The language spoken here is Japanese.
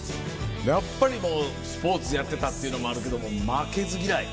やっぱりもうスポーツやってたっていうのもあるけども負けず嫌い？